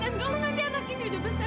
dan kalau nanti anak ini udah besar